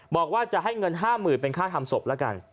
บอกว่าจะให้เงิน๕๐๐๐เป็นค่าทำศพละกัน